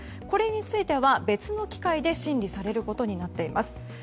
これについては別の機会で審理されることになっています。